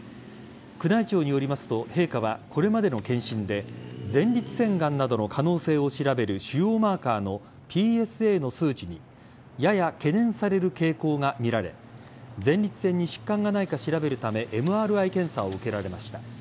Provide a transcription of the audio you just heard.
宮内庁によりますと陛下はこれまでの検診で前立腺がんなどの可能性を調べる腫瘍マーカーのＰＳＡの数値にやや懸念される傾向が見られ前立腺に疾患がないか調べるためＭＲＩ検査を受けられました。